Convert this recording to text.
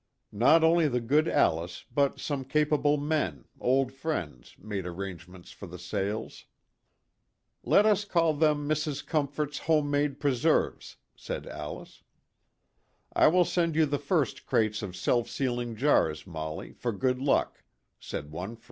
Not only the good Alice but some capable men, old friends, made arrange ments for the sales. "Let us call them Mrs. Comfort's Home made Preserves." said Alice. "I will send you the first crates of self sealing jars, Molly, for good luck," said one friend.